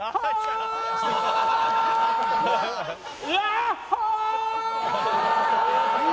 やっほー！！